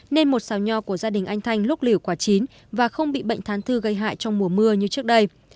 nên một xào nho của gia đình anh thanh lúc liều quả chín và không bị bệnh thán thư gây hại trong mùa mưa như trước đây